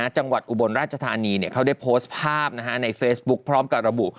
อุบลราชธานีเขาได้โพสต์ภาพในเฟซบุ๊คพร้อมกับระบุ